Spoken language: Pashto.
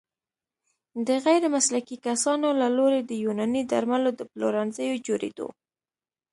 د غیرمسلکي کسانو له لوري د يوناني درملو د پلورنځيو جوړیدو